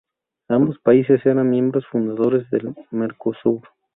Ambos países eran miembros fundadores del Mercosur.